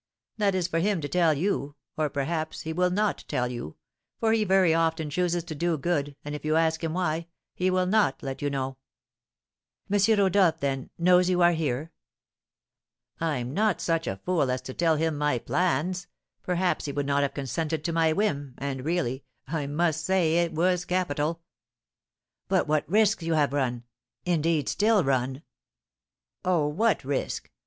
"That is for him to tell you, or, perhaps, he will not tell you, for he very often chooses to do good, and if you ask him why, he will not let you know." "M. Rodolph, then, knows you are here?" "I'm not such a fool as to tell him my plans; perhaps he would not have consented to my whim, and, really, I must say it was capital." "But what risks you have run, indeed, still run." "Oh, what risk?